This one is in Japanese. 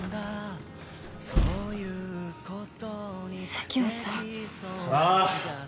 佐京さんああー！